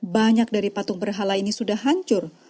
banyak dari patung berhala ini sudah hancur